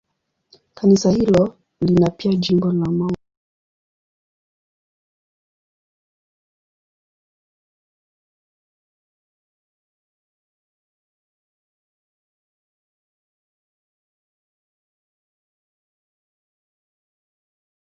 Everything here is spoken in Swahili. Kanisa hilo lina pia jimbo la Mt.